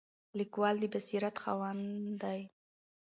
لیکوال د بصیرت خاوند دی.